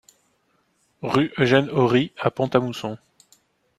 Rue Eugène Ory à Pont-à-Mousson